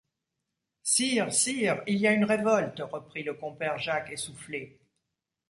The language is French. Sire! sire ! il y a une révolte ! reprit le compère Jacques essoufflé.